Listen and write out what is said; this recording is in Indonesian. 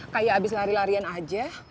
kayak abis lari larian aja